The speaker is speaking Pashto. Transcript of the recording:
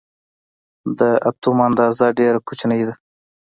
د اتوم اندازه ډېره کوچنۍ ده.